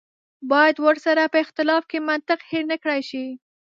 باید ورسره په اختلاف کې منطق هېر نه کړای شي.